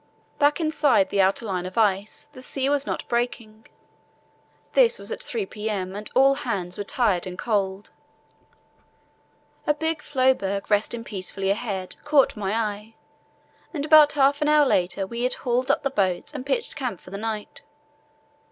Back inside the outer line of ice the sea was not breaking. This was at 3 p.m., and all hands were tired and cold. A big floeberg resting peacefully ahead caught my eye, and half an hour later we had hauled up the boats and pitched camp for the night.